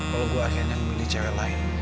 kalo gue akhirnya memilih cewek lain